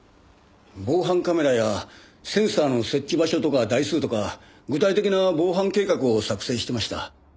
防犯カメラやセンサーの設置場所とか台数とか具体的な防犯計画を作成してました。